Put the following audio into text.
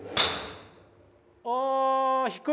あぁ低い。